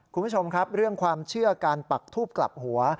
คุณผู้ชมครับเรื่องความเชื่อการปักทูบกลับหัว